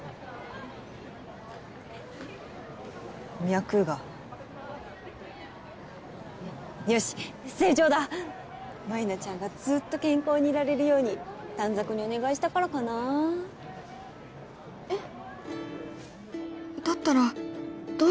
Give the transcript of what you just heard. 脈がよし正常だ舞菜ちゃんがずーっと健康にいられるように短冊にお願いしたからかなえっ？